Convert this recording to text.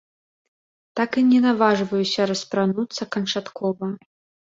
Так і не наважваюся распрануцца канчаткова.